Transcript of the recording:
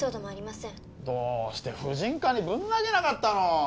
どうして婦人科にぶん投げなかったの？